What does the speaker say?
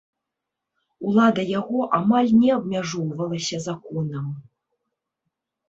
Улада яго амаль не абмяжоўвалася законам.